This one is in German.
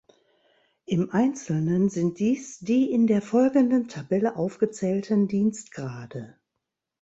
Im Einzelnen sind dies die in der folgenden Tabelle aufgezählten Dienstgrade.